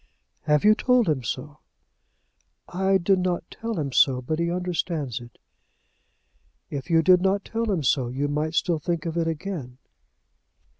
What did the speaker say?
"Have you told him so?" "I did not tell him so, but he understands it." "If you did not tell him so, you might still think of it again."